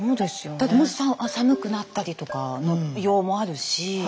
だってもし寒くなったりとかの用もあるし